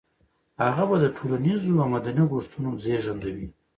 هغه به د ټولنيزو او مدني غوښتنو زېږنده وي.